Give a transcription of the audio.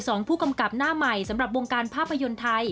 สองผู้กำกับหน้าใหม่สำหรับวงการภาพยนตร์ไทย